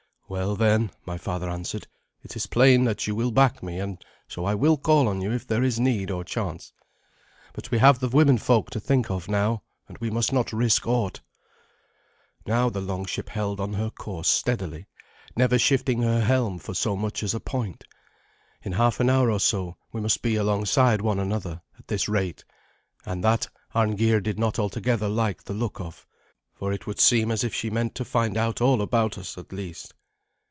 "Well, then," my father answered, "it is plain that you will back me, and so I will call on you if there is need or chance. But we have the women folk to think of now, and we must not risk aught." Now the longship held on her course steadily, never shifting her helm for so much as a point. In half an hour or so we must be alongside one another, at this rate, and that Arngeir did not altogether like the look of, for it would seem as if she meant to find out all about us at least.